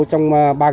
trong ban đêm